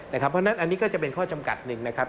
เพราะฉะนั้นอันนี้ก็จะเป็นข้อจำกัดหนึ่งนะครับ